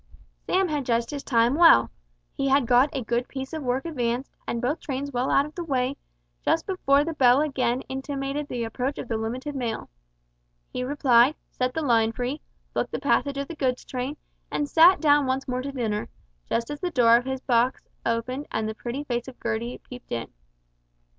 Sam had judged his time well. He had got a good piece of work advanced, and both trains well out of the way, just before the bell again intimated the approach of the limited mail. He replied, set the line free, booked the passage of the goods train, and sat down once more to dinner, just as the door of his box opened and the pretty face of Gertie peeped in.